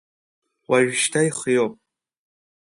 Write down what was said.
Уажәшьҭа ихиоуп!